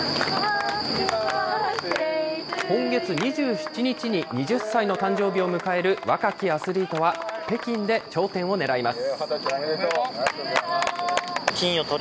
今月２７日に２０歳の誕生日を迎える若きアスリートは、北京で頂点をねらいます。